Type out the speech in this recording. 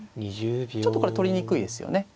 ちょっとこれ取りにくいですよね。